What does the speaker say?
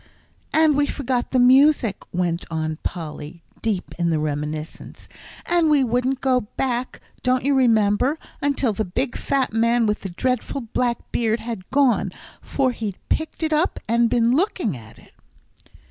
"And we forgot the music," went on Polly, deep in the reminiscence, "and we wouldn't go back don't you remember? until the big fat man with the dreadful black beard had gone, for he'd picked it up and been looking at it."